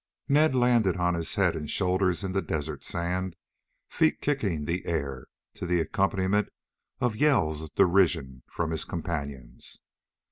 Ned landed on his head and shoulders in the desert sand, feet kicking the air, to the accompaniment of yells of derision from his companions.